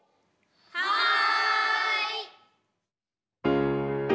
はい！